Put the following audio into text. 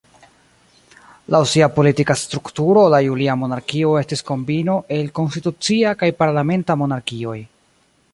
Laŭ sia politika strukturo la julia monarkio estis kombino el konstitucia kaj parlamenta monarkioj.